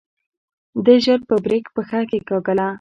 ده ژر په بريک پښه کېکاږله.